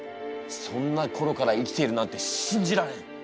そんなころから生きているなんて信じられん。